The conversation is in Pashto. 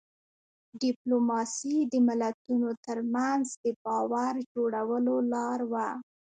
ډيپلوماسي د ملتونو ترمنځ د باور جوړولو لار وه.